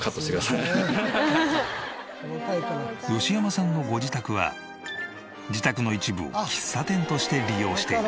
吉山さんのご自宅は自宅の一部を喫茶店として利用している。